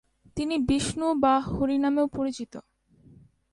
তিনি বিষ্ণু বা হরি নামেও পরিচিত।